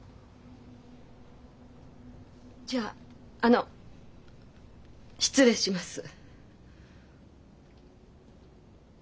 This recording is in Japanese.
じゃああの失礼します。